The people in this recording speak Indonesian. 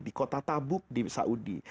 di kota tabuk di saudi